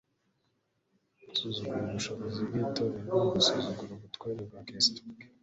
Gusuzugura ubushobozi bw'itorero ni ugusuzugura ubutware bwa Kristo ubwe.